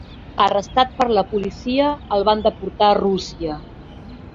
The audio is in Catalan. Arrestat per la policia, el van deportar a Rússia.